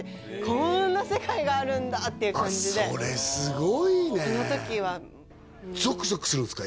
「こんな世界があるんだ」っていう感じでそれすごいねゾクゾクするんですか？